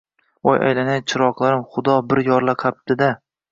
— Voy, aylanay chiroqlarim, xudo bir yorlaqabdi-da…